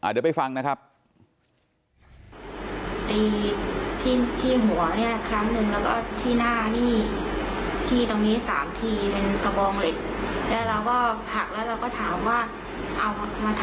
เดี๋ยวไปฟังนะครับ